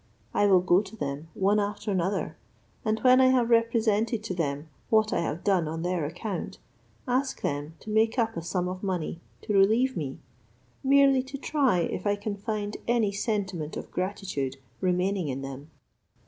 I will go to them one after another, and when I have represented to them what I have done on their account, ask them to make up a sum of money, to relieve me, merely to try if I can find any sentiment of gratitude remaining in them."